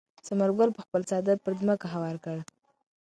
ثمر ګل خپل څادر پر ځمکه هوار کړ.